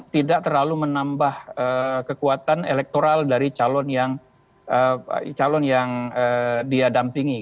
tidak terlalu menambah kekuatan elektoral dari calon yang dia dampingi